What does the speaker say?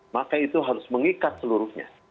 maka itu harus mengikat seluruhnya